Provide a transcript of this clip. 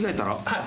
はい。